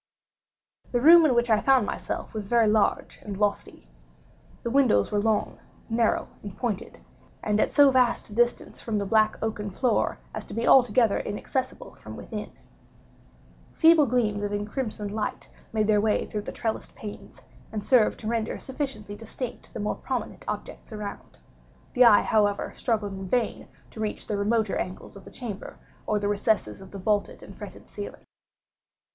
The room in which I found myself was very large and lofty. The windows were long, narrow, and pointed, and at so vast a distance from the black oaken floor as to be altogether inaccessible from within. Feeble gleams of encrimsoned light made their way through the trellissed panes, and served to render sufficiently distinct the more prominent objects around; the eye, however, struggled in vain to reach the remoter angles of the chamber, or the recesses of the vaulted and fretted ceiling.